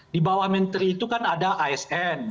di bawah menteri itu kan ada asn